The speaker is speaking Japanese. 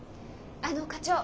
あの課長。